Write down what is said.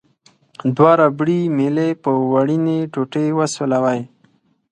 دوه ربړي میلې په وړینې ټوټې وسولوئ.